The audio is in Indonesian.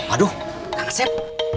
aduh gak ngesep